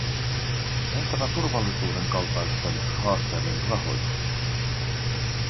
Entäpä turvallisuuden kaltaisten haasteiden rahoitus?